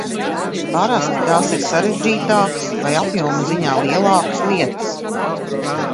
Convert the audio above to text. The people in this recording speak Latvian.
Parasti tās ir sarežģītākas vai apjoma ziņā lielākas lietas.